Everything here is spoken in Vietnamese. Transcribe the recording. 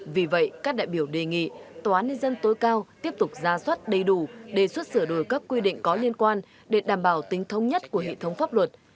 vì vậy các đại biểu đề nghị tòa án nhân dân tối cao tiếp tục ra soát đầy đủ đề xuất sửa đổi các quy định có liên quan để đảm bảo tính thông nhất của hệ thống pháp luật